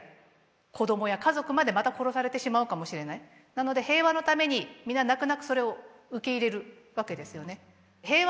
なので平和のために皆泣く泣くそれを受け入れるわけですよね。